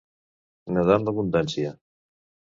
Nedar en l'abundància.